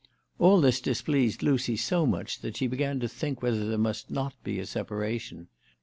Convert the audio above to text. All this displeased Lucy so much that she began to think whether there must not be a separation.